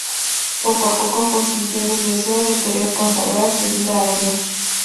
Poco a poco fue sintiendo el deseo de querer consagrar su vida a Dios.